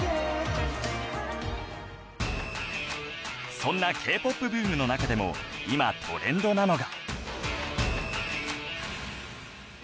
そんな Ｋ−ＰＯＰ ブームの中でも今トレンドなのが